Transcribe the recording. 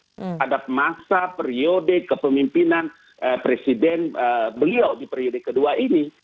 terhadap masa periode kepemimpinan presiden beliau di periode kedua ini